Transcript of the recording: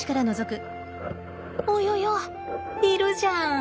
およよ？いるじゃん。